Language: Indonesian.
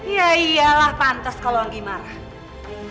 ya iyalah pantas kalau anggi marah